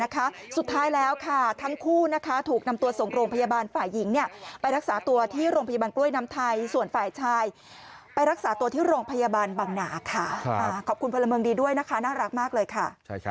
จะเงียบไปถ้าไม่เป็นข่าวเนี่ยนะคะ